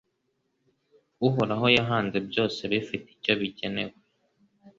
Uhoraho yahanze byose bifite icyo bigenewe